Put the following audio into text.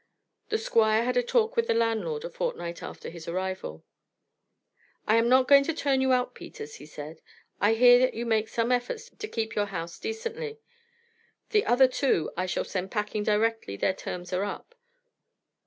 The Squire had a talk with the landlord a fortnight after his arrival. "I am not going to turn you out, Peters," he said. "I hear that you make some efforts to keep your house decently; the other two I shall send packing directly their terms are up.